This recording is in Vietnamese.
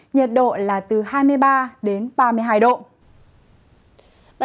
nhiệt độ là từ hai mươi ba đến ba mươi hai độ